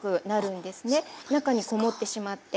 中にこもってしまって。